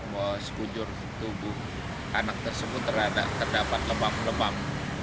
bahwa sekujur tubuh anak tersebut terdapat lebam lebam